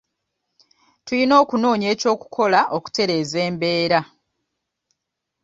Tuyina okunoonya eky'okukola okutereeza embeera.